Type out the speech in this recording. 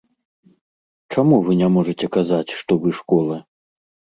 Чаму вы не можаце казаць, што вы школа?